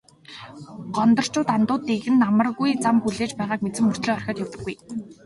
Гондорчууд андуудыг нь амаргүй зам хүлээж байгааг мэдсэн мөртөө орхиод явдаггүй.